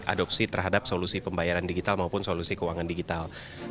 adopsi terhadap solusi pembayaran digital maupun solusi keuangan digital